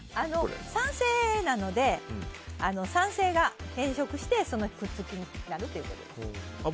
酸性なので、酸性が変色してくっつきにくくなるということです。